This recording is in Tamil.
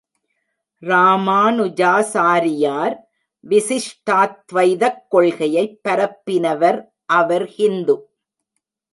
ராமாநுஜாசாரியார் விசிஷ்டாத்வைதக் கொள்கையைப் பரப்பினவர் அவர் ஹிந்து.